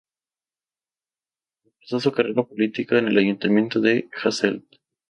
Empezó su carrera política en el ayuntamiento de Hasselt.